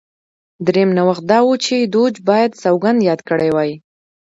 درېیم نوښت دا و چې دوج باید سوګند یاد کړی وای